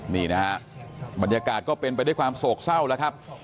นี่นะฮะบรรยากาศก็เป็นไปด้วยความโศกเศร้าแล้วครับ